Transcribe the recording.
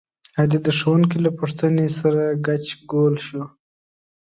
علي د ښوونکي له پوښتنې سره ګچ ګول شو.